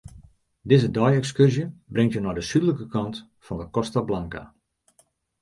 Dizze dei-ekskurzje bringt jo nei de súdlike kant fan 'e Costa Blanca.